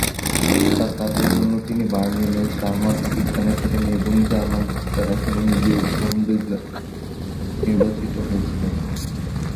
তাঁর কাজের জন্য, তিনি বার্লিনের জার্মান বিজ্ঞান একাডেমি এবং জার্মান বিজ্ঞান একাডেমি লিওপল্ডিনায় নির্বাচিত হয়েছিলেন।